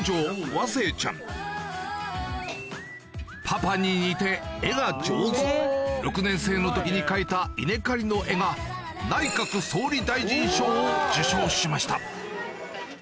パパに似て絵が上手６年生の時に描いた稲刈りの絵がを受賞しました